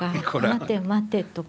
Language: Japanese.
待て待て。